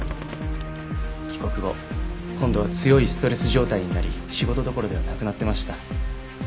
帰国後今度は強いストレス状態になり仕事どころではなくなってました。